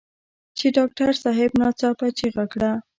چې ډاکټر صاحب ناڅاپه چيغه کړه.